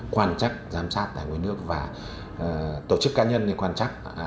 quan trắc giám sát tài nguyên nước và tổ chức cá nhân quan trắc